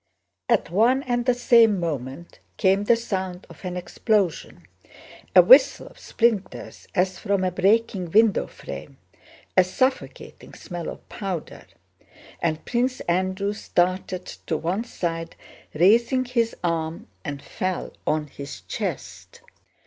At one and the same moment came the sound of an explosion, a whistle of splinters as from a breaking window frame, a suffocating smell of powder, and Prince Andrew started to one side, raising his arm, and fell on his chest.